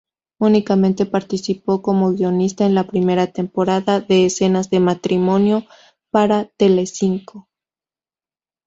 Únicamente participó como guionista en la primera temporada de "Escenas de matrimonio", para Telecinco.